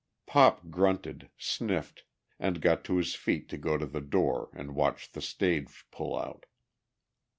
Pop grunted, sniffed, and got to his feet to go to the door and watch the stage pull out.